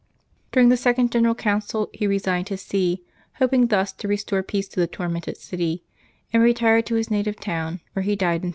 During the second General Council he resigned his see, hoping thus to restore peace to the tormented city, and retired to his native town, where he died in 390.